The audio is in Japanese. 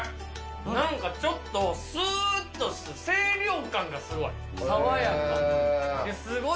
なんかちょっと、すーっとする、清涼感がすごい。